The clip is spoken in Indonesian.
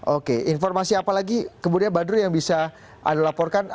oke informasi apa lagi kemudian badru yang bisa anda laporkan